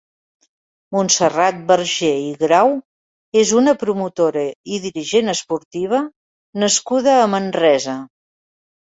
Montserrat Vergé i Grau és una promotora i dirigent esportiva nascuda a Manresa.